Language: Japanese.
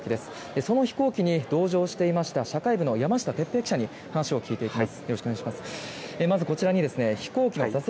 その飛行機に搭乗していました社会部の山下哲平記者に話を聞いていきます。